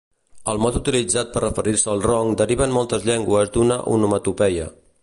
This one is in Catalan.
El mot utilitzat per referir-se al ronc deriva en moltes llengües d'una onomatopeia.